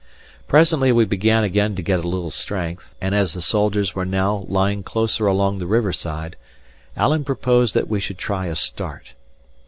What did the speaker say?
Presently we began again to get a little strength; and as the soldiers were now lying closer along the river side, Alan proposed that we should try a start.